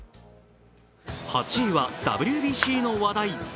８位はＷＢＣの話題。